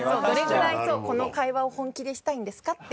どれぐらいこの会話を本気でしたいんですか？